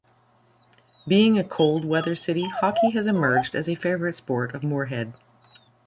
Being a cold weather city, hockey has emerged as a favorite sport of Moorhead.